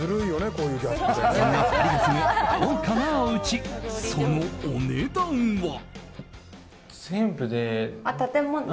そんな２人が住む豪華なおうちそのお値段は。